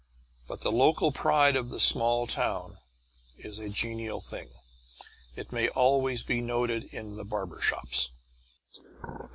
But the local pride of the small town is a genial thing. It may always be noted in the barber shops.